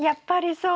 そう！